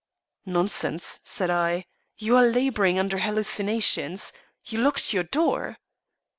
"Nonsense," I said. "You are labouring under hallucinations. You locked your door."